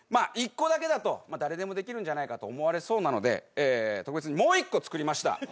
１個だけだと誰でもできるんじゃないかと思われそうなので特別にもう１個作りました。